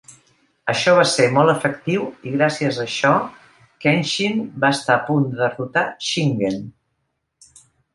Això va ser molt efectiu i gràcies a això Kenshin va estar a punt de derrotar Shingen.